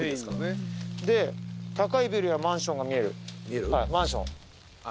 で高いビルやマンションが見えるはいマンション。